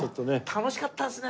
楽しかったです。